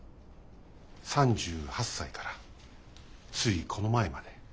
３８歳からついこの前まで。